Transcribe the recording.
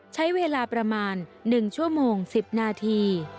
ใช้เวลาประมาณ๑ชั่วโมง๑๐นาที